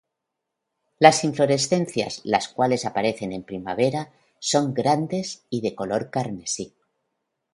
Las inflorescencias, las cuales aparecen en primavera son grandes y de color carmesí.